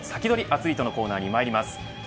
アツリートのコーナーにまいります。